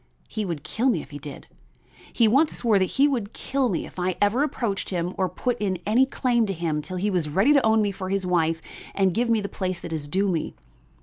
"He would kill me if he did; he once swore that he would kill me if I ever approached him or put in any claim to him till he was ready to own me for his wife and give me the place that is due me.